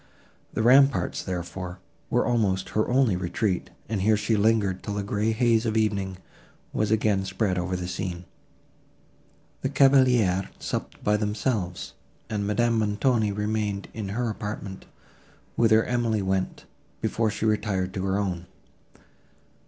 The ramparts, therefore, were almost her only retreat, and here she lingered, till the grey haze of evening was again spread over the scene. The cavaliers supped by themselves, and Madame Montoni remained in her apartment, whither Emily went, before she retired to her own.